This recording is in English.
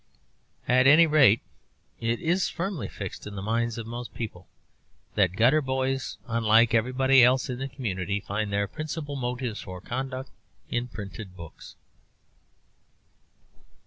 At any rate, it is firmly fixed in the minds of most people that gutter boys, unlike everybody else in the community, find their principal motives for conduct in printed books.